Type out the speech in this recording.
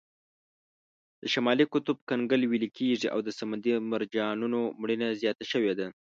د شمالي قطب کنګل ویلې کیږي او د سمندري مرجانونو مړینه زیاته شوې ده.